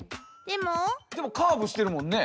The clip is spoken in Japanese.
でもカーブしてるもんね。